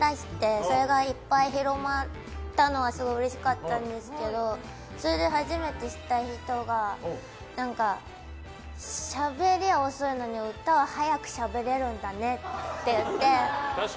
それがいっぱい広まったのはすごいうれしかったんですけどそれで初めて知った人がしゃべりは遅いのに、歌は早くしゃべれるんだねって言って。